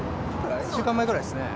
１週間前ぐらいですね。